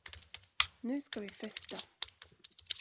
Nu ska vi festa!